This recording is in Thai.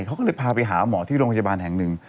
เขาก็เลยพาไปหาหมอที่โรงพยาบาลแห่งหนึ่ง